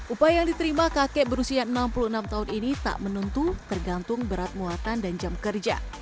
upaya yang diterima kakek berusia enam puluh enam tahun ini tak menentu tergantung berat muatan dan jam kerja